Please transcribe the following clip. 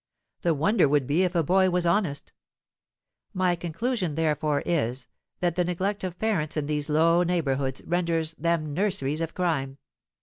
The wonder would be if a boy was honest. My conclusion, therefore, is, that the neglect of parents in these low neighbourhoods renders them nurseries of crime.